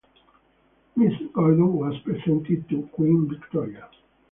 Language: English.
Mrs Gordon was presented to Queen Victoria.